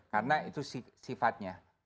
karena itu sifatnya